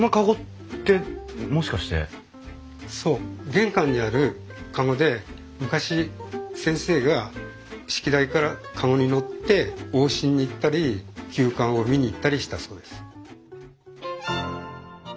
玄関にある籠で昔先生が式台から籠に乗って往診に行ったり急患を診に行ったりしたそうです。